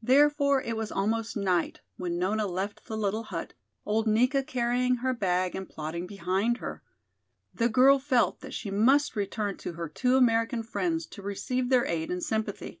Therefore it was almost night when Nona left the little hut, old Nika carrying her bag and plodding behind her. The girl felt that she must return to her two American friends to receive their aid and sympathy.